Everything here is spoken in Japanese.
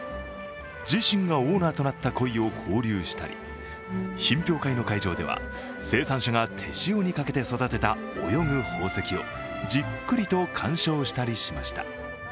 自身がオーナーとなった鯉を放流したり品評会の会場では生産者が手塩にかけて育てた泳ぐ宝石をじっくりと鑑賞したりしました。